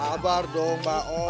sabar dong pak om